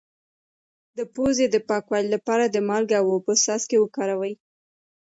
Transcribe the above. د پوزې د پاکوالي لپاره د مالګې او اوبو څاڅکي وکاروئ